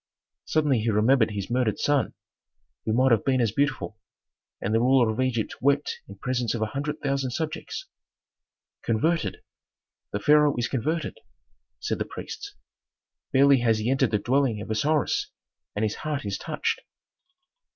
Suddenly he remembered his murdered son, who might have been as beautiful, and the ruler of Egypt wept in presence of a hundred thousand subjects. "Converted! The pharaoh is converted!" said the priests. "Barely has he entered the dwelling of Osiris, and his heart is touched."